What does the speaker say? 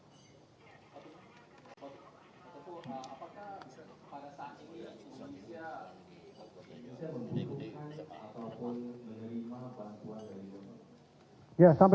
bisa menghubungi ataupun menerima bantuan dari